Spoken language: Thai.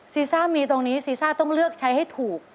ซ่ามีตรงนี้ซีซ่าต้องเลือกใช้ให้ถูก